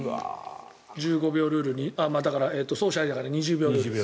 １５秒ルールに走者ありだから２０秒ルール。